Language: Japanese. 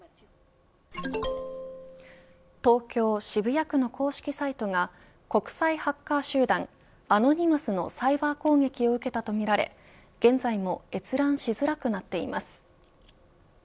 東京、渋谷区の公式サイトが国際ハッカー集団、アノニマスのサイバー攻撃を受けたとみられ現在も閲覧しづらくなっています。